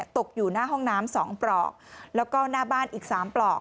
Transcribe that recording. ตกอยู่หน้าห้องน้ำ๒ปลอกแล้วก็หน้าบ้านอีก๓ปลอก